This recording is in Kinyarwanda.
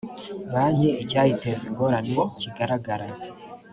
banki icyayiteza ingorane kigaragara